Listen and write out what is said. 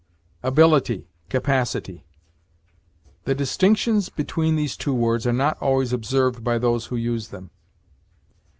ABILITY CAPACITY. The distinctions between these two words are not always observed by those who use them.